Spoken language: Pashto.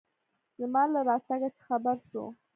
زما له راتگه چې خبر سو.